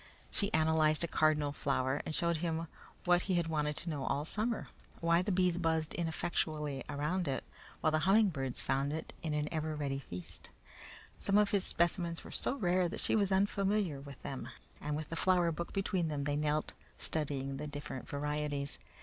She analyzed a cardinal flower and showed him what he had wanted to know all summer why the bees buzzed ineffectually around it while the humming birds found in it an ever ready feast. Some of his specimens were so rare that she was unfamiliar with them, and with the flower book between them they knelt, studying the different varieties.